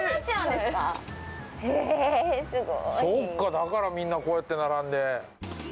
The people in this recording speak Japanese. だからみんな、こうやって並んで。